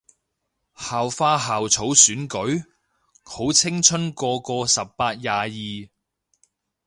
校花校草選舉？好青春個個十八廿二